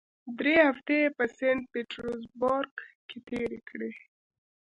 درې هفتې یې په سینټ پیټرزبورګ کې تېرې کړې.